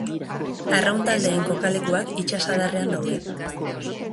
Arraun taldeen kokalekuak itsasadarrean daude.